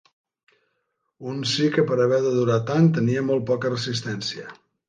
Un sí que per haver de durar tan, tenia molt poca resistència.